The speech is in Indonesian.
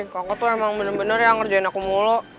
kakak tuh emang bener bener yang ngerjain aku mulu